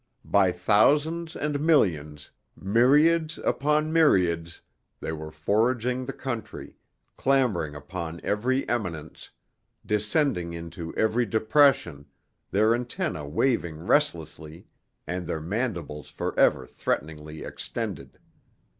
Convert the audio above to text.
By thousands and millions, myriads upon myriads, they were foraging the country, clambering upon every eminence, descending into every depression, their antennae waving restlessly and their mandibles forever threateningly extended.